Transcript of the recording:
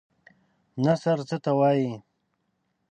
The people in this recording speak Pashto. نثر څه ته وايي؟